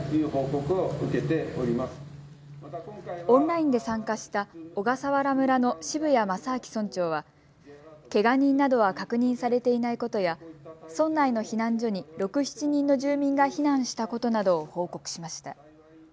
オンラインで参加した小笠原村の渋谷正昭村長はけが人などは確認されていないことや村内の避難所に６、７人の住民が避難したことなどを報告しました。